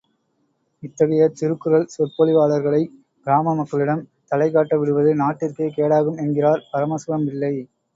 இத்தகைய திருக்குறள் சொற்பொழிவாளர்களைக் கிராம மக்களிடம் தலைகாட்டவிடுவது நாட்டிற்கே கேடாகும் என்றார் பரமசிவம் பிள்ளை.